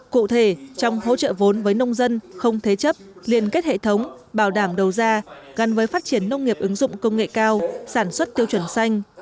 cụ thể trong hỗ trợ vốn với nông dân không thế chấp liên kết hệ thống bảo đảm đầu ra gắn với phát triển nông nghiệp ứng dụng công nghệ cao sản xuất tiêu chuẩn xanh